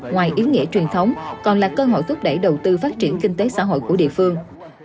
ngoài ý nghĩa truyền thống còn là cơ hội thúc đẩy đầu tư phát triển kinh tế xã hội của địa phương